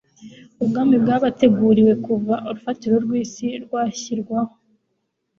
ubwami bwabateguriwe kuva urufatiro rw'isi rwashyirwaho.”